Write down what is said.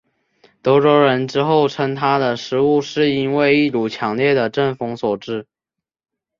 德国人之后称他的失误是因为一股强烈的阵风所致。